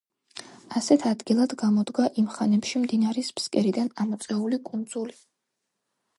ასეთ ადგილად გამოდგა იმ ხანებში მდინარის ფსკერიდან ამოწეული კუნძული.